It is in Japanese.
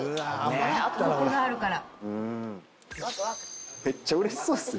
コクがあるから。